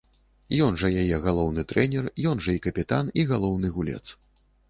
Ён жа яе галоўны трэнер, ён жа і капітан, і галоўны гулец.